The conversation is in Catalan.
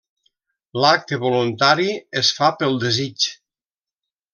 L'acte voluntari es fa pel desig.